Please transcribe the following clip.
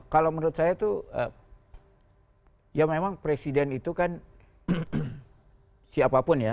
kalau menurut saya itu ya memang presiden itu kan siapapun ya